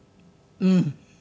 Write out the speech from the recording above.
うん。